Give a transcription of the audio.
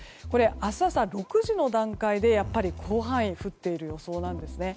明日朝６時の段階で広範囲降っている予想なんです。